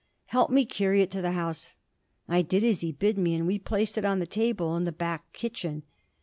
Help me carry it to the house.' I did as he bid me, and we placed it on the table in the back kitchen.